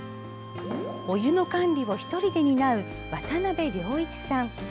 お湯の管理を１人で担う渡辺亮一さん。